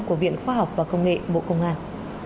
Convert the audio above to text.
của viện khoa học và công nghệ bộ công an